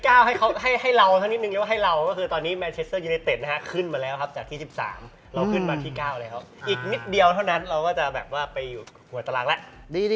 เราขึ้นมาที่๙แล้วครับอีกนิดเดียวเท่านั้นเราก็จะไปอยู่หัวตรางแล้ว